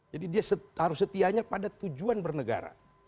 dia harus setianya pada tujuan bernegara